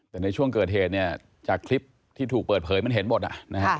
แต่ในช่วงเกิดเหตุเนี่ยจากคลิปที่ถูกเปิดเผยมันเห็นหมดอ่ะนะฮะ